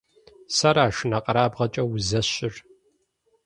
Сэра шынэкъэрабгъэкӀэ узэщыр?!